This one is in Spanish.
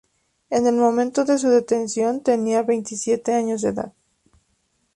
En el momento de su detención tenía veintisiete años de edad.